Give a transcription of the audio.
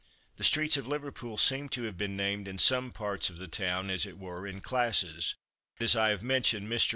The streets of Liverpool seem to have been named, in some parts of the town, as it were, in classes, as I have mentioned. Mr.